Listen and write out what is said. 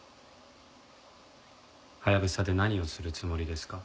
ハヤブサで何をするつもりですか？